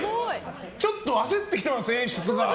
ちょっと焦ってきてますよ。